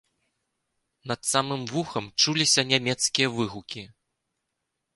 Над самым вухам чуліся нямецкія выгукі.